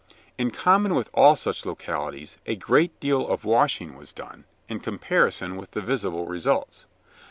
In common with all such localities, a great deal of washing was done, in comparison with the visible results.